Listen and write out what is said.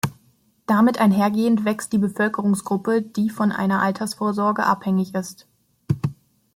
Damit einhergehend wächst die Bevölkerungsgruppe, die von einer Altersvorsorge abhängig ist.